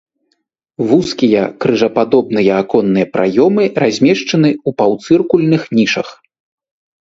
Вузкія крыжападобныя аконныя праёмы размешчаны ў паўцыркульных нішах.